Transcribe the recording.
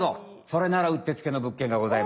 それならうってつけの物件がございます。